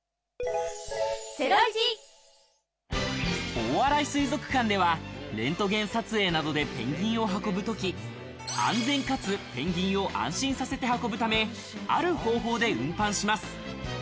大洗水族館では、レントゲン撮影などでペンギンを運ぶとき、安全、かつ、ペンギンを安心させて運ぶため、ある方法で運搬します。